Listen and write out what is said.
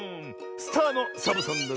スターのサボさんだぜえ。